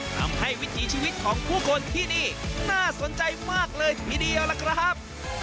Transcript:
วิถีชีวิตของผู้คนที่นี่น่าสนใจมากเลยทีเดียวล่ะครับ